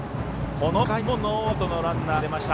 この回もノーアウトのランナーが出ました。